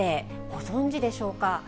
ご存じでしょうか？